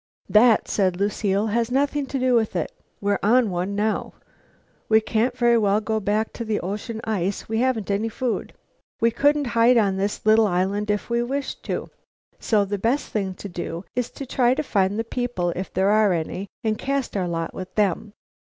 "That," said Lucile, "has nothing to do with it. We're on one now. We can't very well go back to the ocean ice. We haven't any food. We couldn't hide on this little island if we wished to. So the best thing to do is to try to find the people, if there are any, and cast our lot with them.